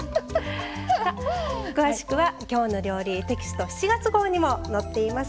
詳しくは「きょうの料理」テキスト７月号にも載っています。